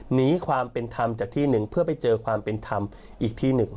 หนีความเป็นธรรมจากที่หนึ่งเพื่อไปเจอความเป็นธรรมอีกที่หนึ่ง